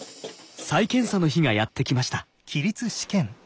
再検査の日がやって来ました。